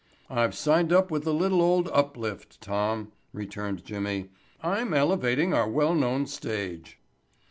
"I've signed up with the little old uplift, Tom," returned Jimmy. "I'm elevating our well known stage."